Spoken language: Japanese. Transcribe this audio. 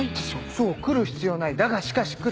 そう来る必要ないだがしかし来る。